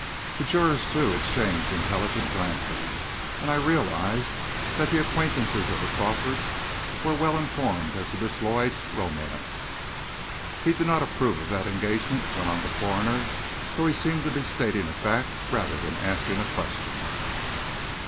The jurors, too, exchanged intelligent glances, and I realized that the acquaintances of the Crawfords were well informed as to Miss Lloyd's romance. "He did not approve of that engagement?" went on the coroner, though he seemed to be stating a fact, rather than asking a question.